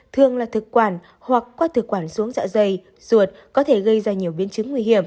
thường là thực quản hoặc qua thực quản xuống dạ dày ruột có thể gây ra nhiều biến chứng nguy hiểm